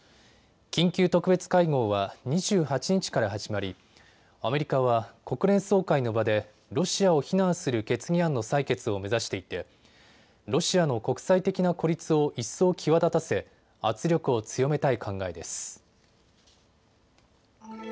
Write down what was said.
緊急特別会合は２８日から始まりアメリカは国連総会の場でロシアを非難する決議案の採決を目指していてロシアの国際的な孤立を一層際立たせ圧力を強めたい考えです。